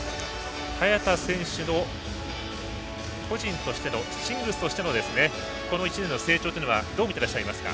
早田選手の個人としてのシングルスとしてのこの１年の成長というのはどう見てらっしゃいますか？